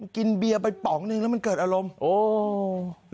กินเบียร์ไปป๋องนึงแล้วมันเกิดอารมณ์โอ้